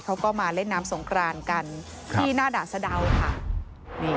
เขาก็มาเล่นน้ำสงครานกันที่หน้าด่านสะดาวค่ะ